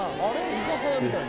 居酒屋みたいな。